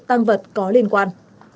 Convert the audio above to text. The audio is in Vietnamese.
tăng vật có liên quan